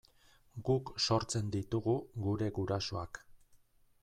Guk sortzen ditugu gure gurasoak.